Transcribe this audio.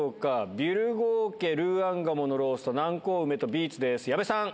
ビュルゴー家ルーアン鴨のロースト、南高梅とビーツです。